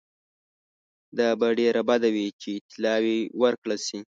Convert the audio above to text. دا به ډېره بده وي چې طلاوي ورکړه شي.